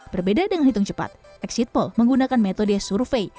berbeda dengan hitung cepat exit poll menggunakan metode survei